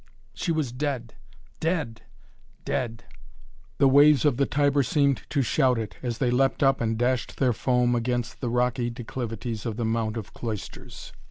She was dead dead dead. The waves of the Tiber seemed to shout it as they leapt up and dashed their foam against the rocky declivities of the Mount of Cloisters.